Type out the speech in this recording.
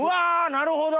なるほど。